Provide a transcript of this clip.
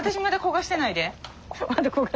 「まだ焦がしてないで」